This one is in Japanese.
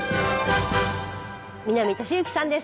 南利幸さんです。